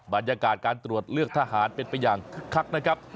บรรยากาศการตรวจเลือกทหารเป็นไปอย่างคึกคักนะครับ